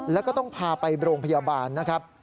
แล้วก็ต้องพาไปโรงพยาบาลนะครับ